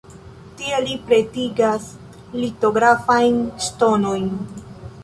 Tie li pretigas litografajn ŝtonojn.